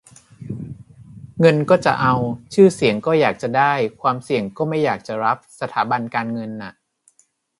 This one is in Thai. เงินก็จะเอา ชื่อเสียงก็อยากจะได้ ความเสี่ยงก็ไม่อยากจะรับ สถาบันการเงินน่ะ